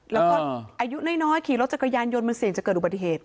แล้วก็อายุน้อยขี่รถจักรยานยนต์มันเสี่ยงจะเกิดอุบัติเหตุ